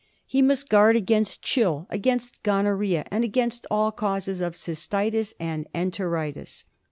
He must guard against chill, against gonorrhoea, and against all causes of cystitis and enteritis.